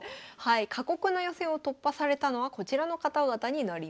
過酷な予選を突破されたのはこちらの方々になります。